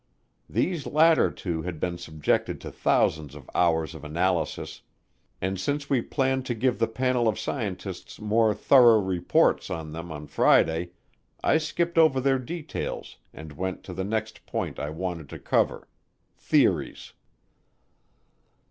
These latter two had been subjected to thousands of hours of analysis, and since we planned to give the panel of scientists more thorough reports on them on Friday, I skipped over their details and went to the next point I wanted to cover theories.